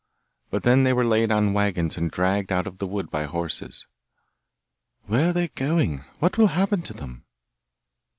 But then they were laid on waggons and dragged out of the wood by horses. 'Where are they going? What will happen to them?